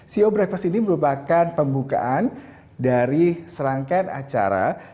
ceo breakfast ini merupakan pembukaan dari serangkaian acara